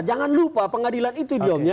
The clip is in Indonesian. jangan lupa pengadilan itu